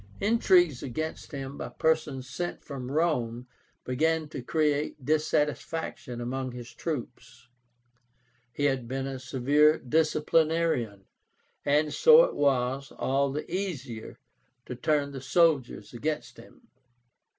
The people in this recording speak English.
Intrigues against him by persons sent from Rome began to create dissatisfaction among his troops. He had been a severe disciplinarian, and so it was all the easier to turn the soldiers against him.